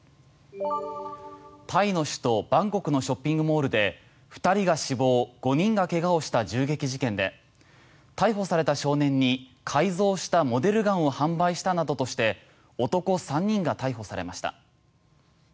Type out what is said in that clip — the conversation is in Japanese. タイの首都バンコクのショッピングモールで２人が死亡５人が怪我をした銃撃事件で逮捕された少年に改造したモデルガンを販売したなどとして男３人が逮捕されました。